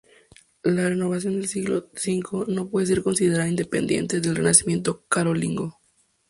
La renovación del siglo X no puede ser considerada independientemente del renacimiento carolingio.